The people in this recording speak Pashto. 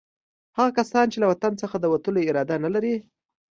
هغه کسان چې له وطن څخه د تللو اراده نه لري.